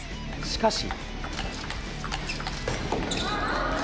しかし。